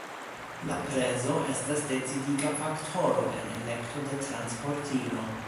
La prezo estas decidiga faktoro en elekto de transportilo.